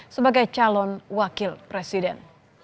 sebagai calon wakil presiden